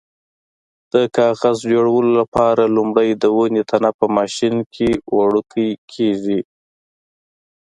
د کاغذ جوړولو لپاره لومړی د ونې تنه په ماشین کې وړوکی کېږي.